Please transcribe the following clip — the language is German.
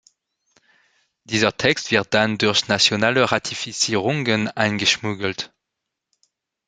Dieser Text wird dann durch nationale Ratifizierungen eingeschmuggelt.